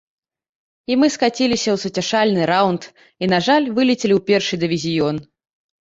І мы скаціліся ў суцяшальны раўнд і, на жаль, вылецелі ў першы дывізіён.